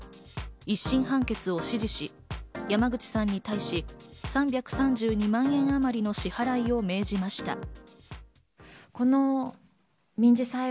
１審判決を支持し、山口さんに対し、３３２万円あまりの支払いを命じました。